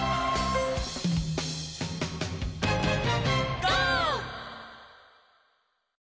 「ゴー！」